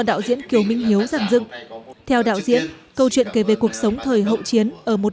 đạo diễn kiều minh hiếu giam dựng theo đạo diễn câu chuyện kể về cuộc sống thời hậu chiến ở một